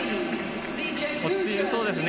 落ち着いてそうですね。